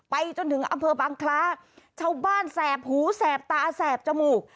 จนถึงอำเภอบางคล้าชาวบ้านแสบหูแสบตาแสบจมูก